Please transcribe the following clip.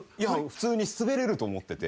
普通に滑れると思ってて。